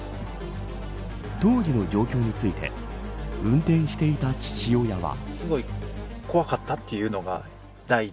当時の状況について運転していた父親は。